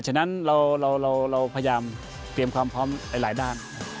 ฉะนั้นเราพยายามเตรียมความพร้อมหลายด้าน